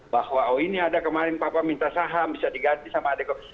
bahwa ini ada kemarin papa minta saham bisa diganti sama adek adek